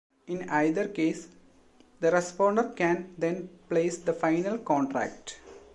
In either case, the responder can then place the final contract.